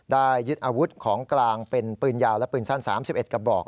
ยึดอาวุธของกลางเป็นปืนยาวและปืนสั้น๓๑กระบอก